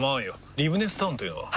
リブネスタウンというのは？